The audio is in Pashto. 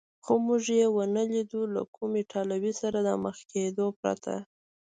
خو موږ یې و نه لیدو، له کوم ایټالوي سره د مخ کېدو پرته.